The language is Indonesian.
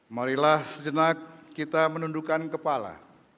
marilah sejenak kita menundukkan kepala